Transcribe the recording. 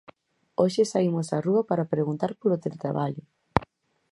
Hoxe saímos á rúa para preguntar polo teletraballo.